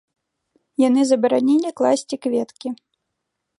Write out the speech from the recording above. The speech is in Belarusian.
Яны забаранілі класці кветкі.